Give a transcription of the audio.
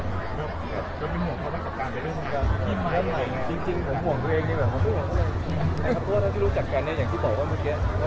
เพราะว่าเท่าที่รู้จักกันเนี่ยอย่างที่บอกว่าเมื่อกี้